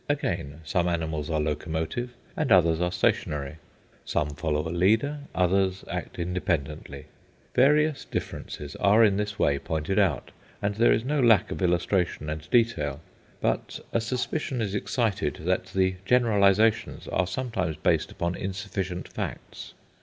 Again, some animals are locomotive, and others are stationary. Some follow a leader, others act independently. Various differences are in this way pointed out, and there is no lack of illustration and detail, but a suspicion is excited that the generalizations are sometimes based upon insufficient facts.